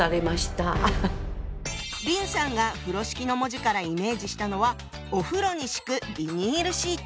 林さんが風呂敷の文字からイメージしたのはお風呂に敷くビニールシート。